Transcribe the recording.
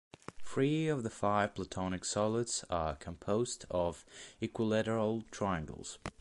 Three of the five Platonic solids are composed of equilateral triangles.